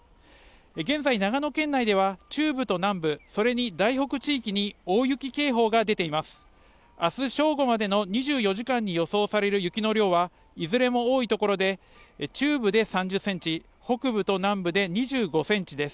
現在、長野県内では中部と南部、それに大北地域に大雪警報が出ています。